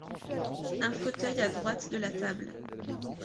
Un fauteuil à droite de la table.